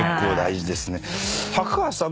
高橋さん